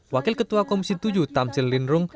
wakil ketua komisi tujuh tamsil lindrung